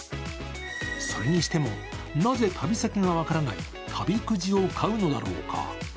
それにしても、なぜ旅先が分からない旅くじを買うのだろうか。